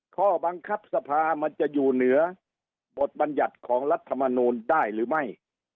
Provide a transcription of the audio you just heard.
ข้อบังคับสภามันจะอยู่เหนือบทบัญญัติของรัฐมนูลได้หรือไม่